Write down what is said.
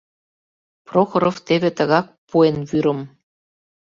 Прохоров теве тыгак пуэн вӱрым